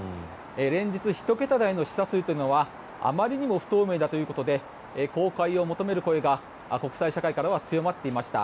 連日１桁台の死者数というのはあまりにも不透明だということで公開を求める声が国際社会からは強まっていました。